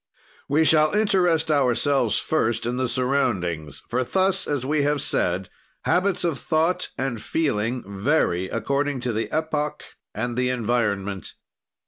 "We shall interest ourselves first in the surroundings for thus, as we have said, habits of thought and feeling vary according to the epoch and the environment.